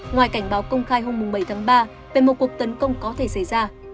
ngoài cảnh báo công khai hôm bảy tháng ba về một cuộc tấn công có thể xảy ra